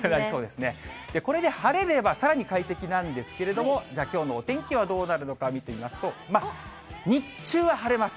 これで晴れればさらに快適なんですけれども、じゃあきょうのお天気はどうなるのか、見てみますと、日中は晴れます。